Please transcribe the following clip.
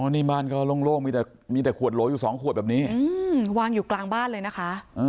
นี่บ้านก็โล่งมีแต่มีแต่ขวดโหลอยู่๒ขวดแบบนี้วางอยู่กลางบ้านเลยนะคะ